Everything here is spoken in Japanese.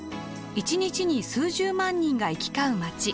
一日に数十万人が行き交う街。